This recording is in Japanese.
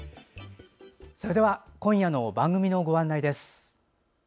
それでは今夜の番組のご案内です。